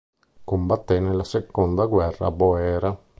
Combatté nella seconda guerra boera.